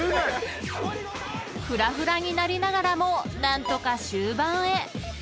［ふらふらになりながらも何とか終盤へ］